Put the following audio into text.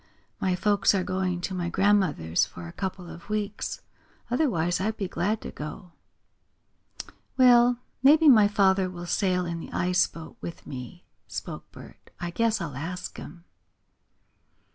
My folks are going to my grandmother's for a couple of weeks. Otherwise I'd be glad to go." "Well, maybe my father will sail in the ice boat with me," spoke Bert. "I guess I'll ask him."